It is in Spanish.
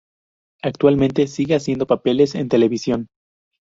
Actualmente sigue haciendo papeles en televisión.